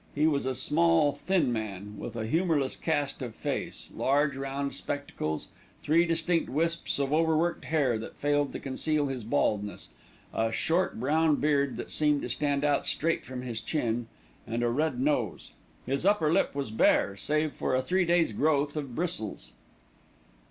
He was a small, thin man, with a humourless cast of face, large round spectacles, three distinct wisps of overworked hair that failed to conceal his baldness, a short brown beard that seemed to stand out straight from his chin, and a red nose. His upper lip was bare, save for a three days' growth of bristles.